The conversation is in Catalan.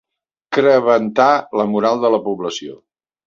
Crebantar la moral de la població.